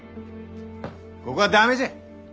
ここは駄目じゃ。